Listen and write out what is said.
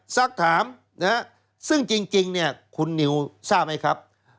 ซักถามซึ่งจริงคุณนิวทราบไหมครับ